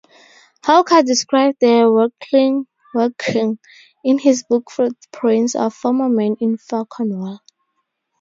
Hawker described the wrecking in his book "Footprints of Former Men in Far Cornwall".